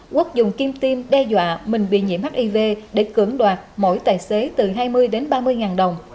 quốc dùng kim tim đe dọa mình bị nhiễm hiv để cưỡng đoạt mỗi tài xế từ hai mươi đến ba mươi ngàn đồng